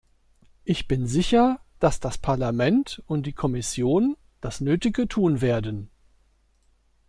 Ich bin sicher, dass das Parlament und die Kommission das Nötige tun werden.